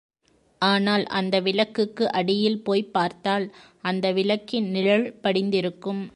ஆனால் அந்த விளக்குக்கு அடியில் போய்ப் பார்த்தால், அந்த விளக்கின் நிழல் படிந்திருக்கும்.